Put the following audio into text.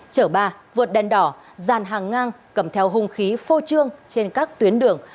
chở ba vượt đèn đỏ dàn hàng ngang cầm theo hung khí phô trương trên các tuyến đường